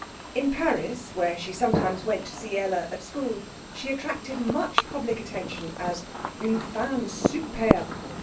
In Paris, where she sometimes went to see Ella at school, she attracted much public attention as une femme superbe.